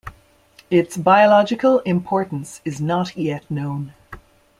Its biological importance is not yet known.